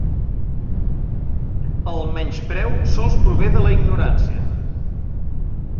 "El menyspreu sols prové de la ignorància"